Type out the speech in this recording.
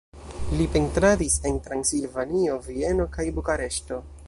Li pentradis en Transilvanio, Vieno kaj Bukareŝto.